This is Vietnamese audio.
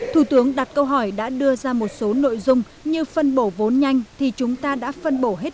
thủ tướng đặt câu hỏi đã đưa ra một số nội dung như phân bổ vốn nhanh thì chúng ta đã phân bổ hết